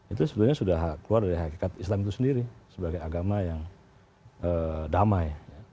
itu sebenarnya sudah keluar dari hakikat islam itu sendiri sebagai agama yang damai